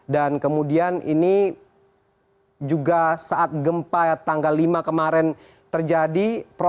dan kemudian ini juga saat gempa tanggal lima kemarin terjadi